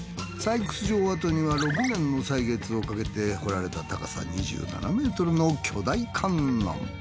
採掘場跡には６年の歳月をかけて彫られた高さ２７ｍの巨大観音。